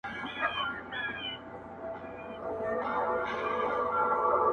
رسوي خبري چي مقام ته د لمبو په زور,